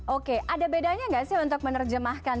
oke ada bedanya nggak sih untuk menerjemahkan